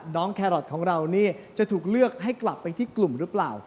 แครอทของเรานี่จะถูกเลือกให้กลับไปที่กลุ่มหรือเปล่า